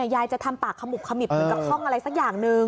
ยายจะทำปากขมุบขมิบเหมือนกับข้องอะไรสักอย่างหนึ่ง